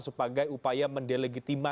supaya upaya mendeliti